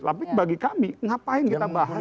tapi bagi kami ngapain kita bahas